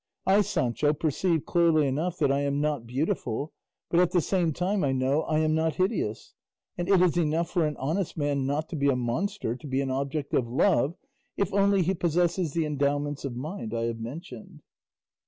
I, Sancho, perceive clearly enough that I am not beautiful, but at the same time I know I am not hideous; and it is enough for an honest man not to be a monster to be an object of love, if only he possesses the endowments of mind I have mentioned."